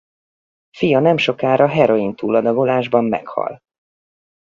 Fia nemsokára heroin túladagolásban meghal.